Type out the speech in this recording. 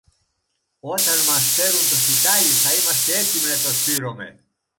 Όταν μας φέρουν το σιτάρι, θα είμαστε έτοιμοι να το σπείρομε.